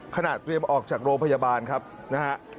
เตรียมออกจากโรงพยาบาลครับนะฮะ